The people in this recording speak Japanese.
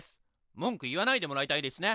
文句言わないでもらいたいですね。